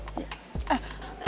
ceritanya usip ini oke